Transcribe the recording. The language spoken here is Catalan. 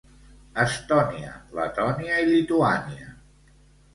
Estònia, Letònia i Lituània.